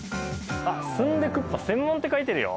スンデクッパ専門って書いてるよ。